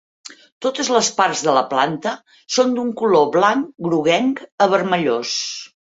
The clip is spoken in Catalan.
Totes les parts de la planta són d'un color blanc groguenc a vermellós.